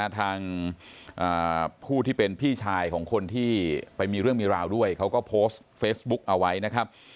ทางผู้ที่เป็นพี่ชายของคนที่ไปมีเรื่องมีราวด้วยเขาก็โพสต์เฟซบุ๊กเอาไว้นะครับ